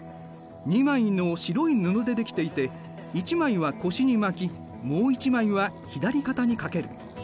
２枚の白い布で出来ていて一枚は腰に巻きもう一枚は左肩にかける。